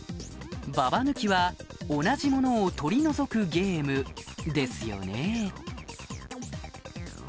ババ抜きは同じものを取り除くゲームですよね？